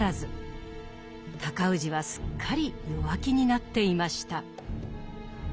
尊氏はすっかり弱気になっていました。